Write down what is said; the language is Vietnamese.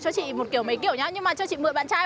chỉ cho mình mình đi chơi với